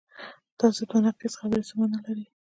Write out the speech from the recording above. دا ضد و نقیض خبرې څه معنی لري؟